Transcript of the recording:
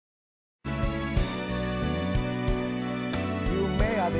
「夢」やで。